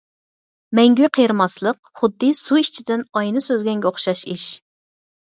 مەڭگۈ قېرىماسلىق خۇددى سۇ ئىچىدىن ئاينى سۈزگەنگە ئوخشاش ئىش.